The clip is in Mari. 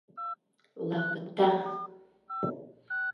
ЛАПТА